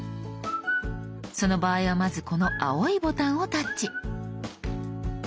その場合はまずこの青いボタンをタッチ。